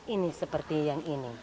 ini seperti yang ini